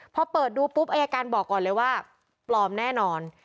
พอเปิดดูปุ๊บอายการบอกก่อนเลยว่าปลอมแน่นอน